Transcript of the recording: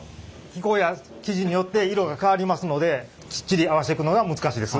気候や生地によって色が変わりますのできっちり合わせていくのが難しいです。